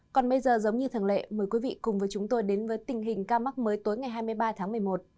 còn bây giờ giống như thường lệ mời quý vị cùng với chúng tôi đến với tình hình ca mắc mới tối ngày hai mươi ba tháng một mươi một